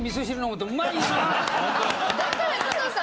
だから加藤さん。